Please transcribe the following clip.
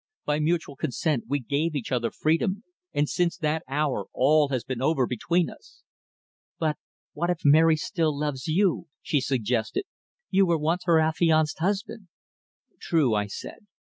By mutual consent we gave each other freedom, and since that hour all has been over between us." "But what if Mary still loves you?" she suggested. "You were once her affianced husband." "True," I said.